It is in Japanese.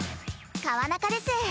川中です。